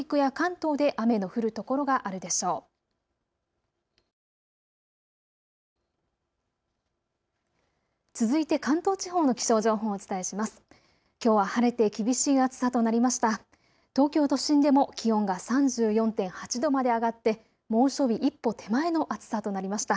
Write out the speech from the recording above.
東京都心でも気温が３４．８度まで上がって猛暑日一歩手前の暑さとなりました。